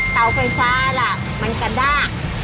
เสาไฟฟ้าล่ะมันกระด้าง